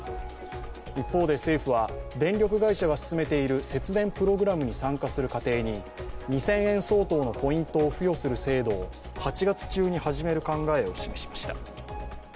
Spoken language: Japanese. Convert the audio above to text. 一方で、政府は電力会社が勧めている節電プログラムに参加する家庭に２０００円相当のポイントを付与する制度を８月中に始める考えを示しました。